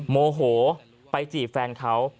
โมโหไปจีบแฟนเขา